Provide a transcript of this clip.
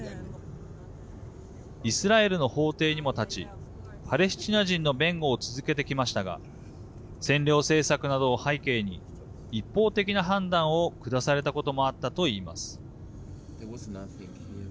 イスラエルの法廷にも立ちパレスチナ人の弁護を続けてきましたが占領政策などを背景に一方的な判断を下されたこともあったといいます。